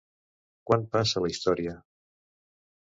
Quan passa la història?